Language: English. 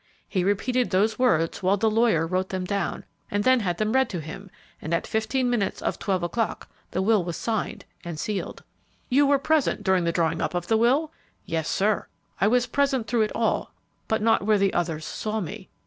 He repeated those words while the lawyer wrote them down, and then had them read to him, and at fifteen minutes of twelve o'clock the will was signed and sealed." "You were present during the drawing up of the will?" "Yes, sir, I was present through it all, but not where the others saw me.